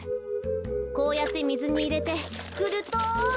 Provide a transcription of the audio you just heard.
こうやってみずにいれてふると。